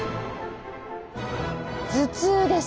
「頭痛」です。